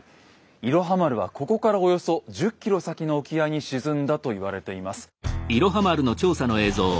「いろは丸」はここからおよそ１０ｋｍ先の沖合に沈んだと言われています。